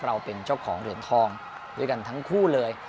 เราเป็นเจ้าของเหรียญทองด้วยกันทั้งคู่เลย